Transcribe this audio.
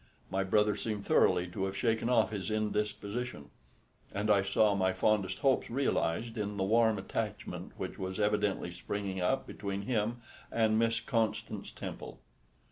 My brother seemed thoroughly to have shaken off his indisposition; and I saw my fondest hopes realised in the warm attachment which was evidently springing up between him and Miss Constance Temple.